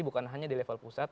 bukan hanya di level pusat